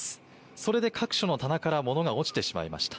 それで各所の棚から物が落ちてしまいました。